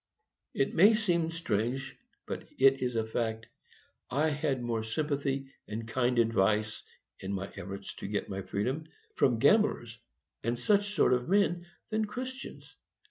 It may seem strange, but it is a fact,—I had more sympathy and kind advice, in my efforts to get my freedom, from gamblers and such sort of men, than Christians.